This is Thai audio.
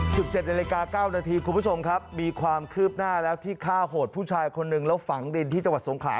๑๘๙ครบไม้เดียวมีความคืบหน้าและที่ฆ่าโหดผู้ชายคนนึงแล้วฝังดินที่จังหวัดสงขา